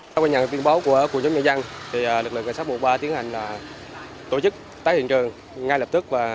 trong lúc nhận được tin báo của người dân lực lượng cảnh sát một trăm một mươi ba tiến hành tổ chức tái hiện trường ngay lập tức